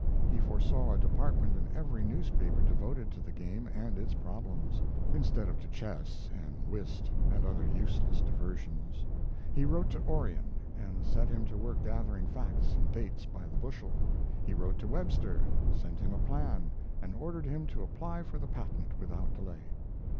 He foresaw a department in every newspaper devoted to the game and its problems, instead of to chess and whist and other useless diversions. He wrote to Orion, and set him to work gathering facts and dates by the bushel. He wrote to Webster, sent him a plan, and ordered him to apply for the patent without delay.